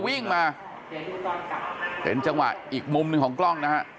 วิ่งมาเป็นจังหวะอีกมุมหนึ่งของกล้องนะฮะ